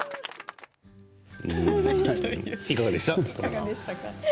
いかがでしたか？